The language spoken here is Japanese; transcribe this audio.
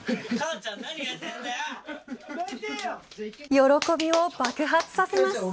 喜びを爆発させます。